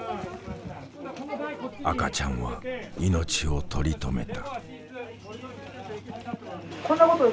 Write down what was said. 赤ちゃんは命を取り留めた。